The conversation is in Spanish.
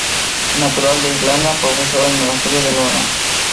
Natural de Irlanda, profesó en el monasterio de Iona.